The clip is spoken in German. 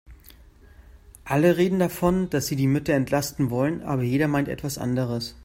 Alle reden davon, dass sie die Mitte entlasten wollen, aber jeder meint etwas anderes.